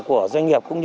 của doanh nghiệp cũng như